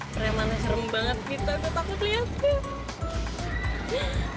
preman nya serem banget gitu